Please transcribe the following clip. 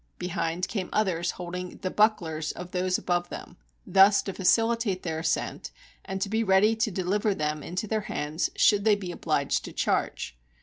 Behind came others holding the bucklers of those above them, thus to facilitate their ascent, and to be ready to deliver them into their hands, should they be obliged to charge.